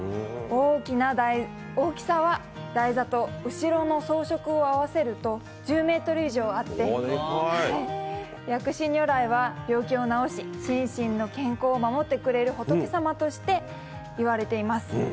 大きさは台座と後ろの装飾を合わせると、１０ｍ以上あって、薬師如来は病気を治し、心身の健康を守ってくれる仏様としていわれています。